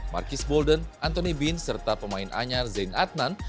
marcus bolden anthony bean serta pemain anyar zain adnan